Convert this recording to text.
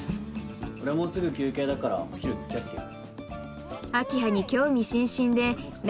俺もうすぐ休憩だからお昼つきあってよ